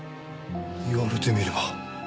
言われてみれば。